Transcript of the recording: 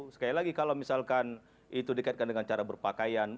sekali lagi kalau misalkan itu dikaitkan dengan cara berpakaian